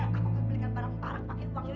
kamu belikan barang barang pakai tuang ini